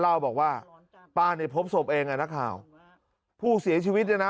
เล่าบอกว่าป้าเนี่ยพบศพเองอ่ะนักข่าวผู้เสียชีวิตเนี่ยนะ